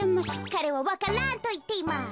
かれは「ワカラン」といっています。